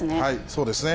そうですね。